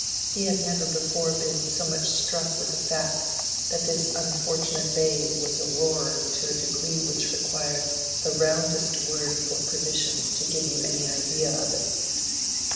He had never before been so much struck with the fact that this unfortunate bay was a roarer to a degree which required the roundest word for perdition to give you any idea of it.